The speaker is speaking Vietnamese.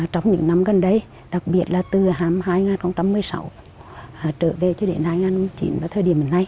trong những năm gần đây đặc biệt là từ năm hai nghìn một mươi sáu trở về đến năm hai nghìn một mươi chín